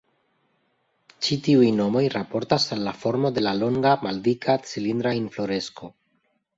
Ĉi tiuj nomoj raportas al la formo de la longa, maldika, cilindra infloresko.